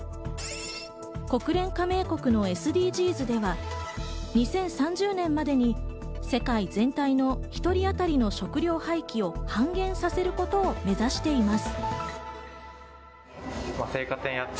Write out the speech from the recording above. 国連加盟国のＳＤＧｓでは、２０３０年までに世界全体の１人あたりの食料廃棄を半減させることを目指しています。